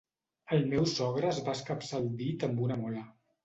El meu sogre es va escapçar el dit amb una mola